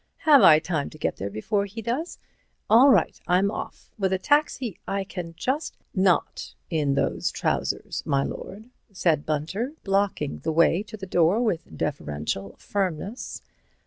Have I time to get there before he does? All right. I'm off. With a taxi I can just—" "Not in those trousers, my lord," said Mr. Bunter, blocking the way to the door with deferential firmness.